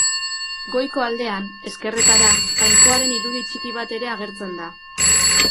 Goiko aldean, ezkerretara, Jainkoaren irudi txiki bat ere agertzen da.